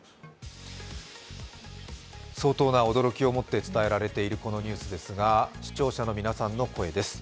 相当な驚きをもって伝えられているこのニュースですが視聴者の皆さんの声です。